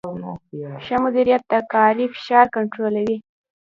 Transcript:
ښه مدیریت د کاري فشار کنټرولوي.